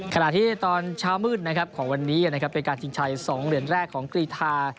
ขณะที่ตอนเช้ามืดของวันนี้เป็นการจิงชัย๒เดือนแรกของกรีธา